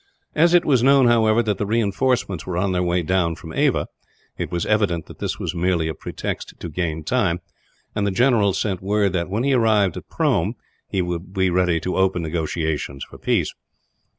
As it was known, however, that reinforcements were on their way down from Ava, it was evident that this was merely a pretext to gain time; and the general sent word that, when he arrived at Prome, he would be ready to open negotiations for peace.